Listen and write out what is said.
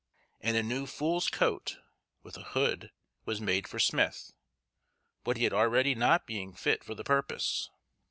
and a new fool's coat, with a hood, was made for Smyth, what he had already not being fit for the purpose.